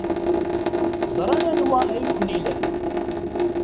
Ẓran anwa ay ken-ilan.